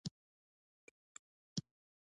په څلور سوه پنځوس کال کې بېوزلۍ ته ولوېده.